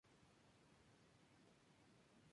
Tomaron la urbe hasta abril del año siguiente.